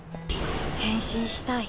変身したい。